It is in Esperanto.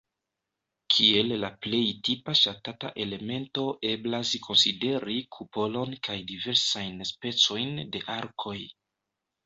Kiel la plej tipa ŝatata elemento eblas konsideri kupolon kaj diversajn specojn de arkoj.